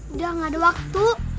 udah gak ada waktu